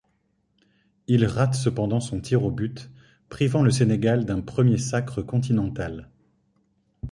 Il rate cependant son tir au but, privant le Sénégal d'un premier sacre continental.